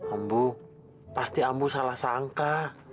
ambu pasti ambu salah sangka